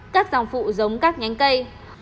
các dòng phụ giống các nhánh cây